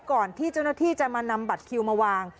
ก่อนที่เจ้าหน้าที่จะมานำบัตรคิวมาวาง